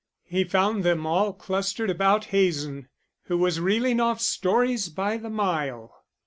He found them all clustered about Hazen, who was reeling off stories by the mile.